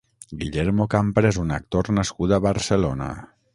Guillermo Campra és un actor nascut a Barcelona.